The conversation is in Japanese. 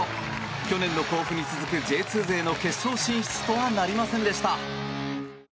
去年の甲府に続くＪ２勢の決勝進出とはなりませんでした。